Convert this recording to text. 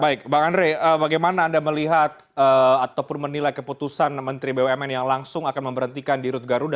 baik bang andre bagaimana anda melihat ataupun menilai keputusan menteri bumn yang langsung akan memberhentikan di rut garuda